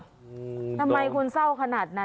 อืมต้องทำไมคุณเศร้าขนาดนั้นน่ะ